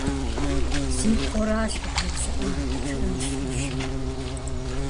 - Си пхъуращ къызжезыӏар, - жиӀащ лӀыжьым.